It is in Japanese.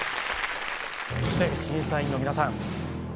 そして審査員の皆さん